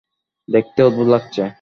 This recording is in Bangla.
দেখতে অদ্ভুত লাগছে।